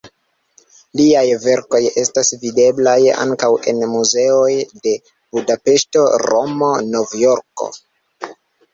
Liaj verkoj estas videblaj ankaŭ en muzeoj de Budapeŝto, Romo, Novjorko.